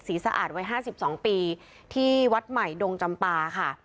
สะอาดวัย๕๒ปีที่วัดใหม่ดงจำปาค่ะ